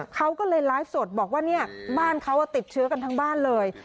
เขาก็เลยไลฟ์สดบอกว่าเนี่ยบ้านเขาติดเชื้อกันทั้งบ้านเลย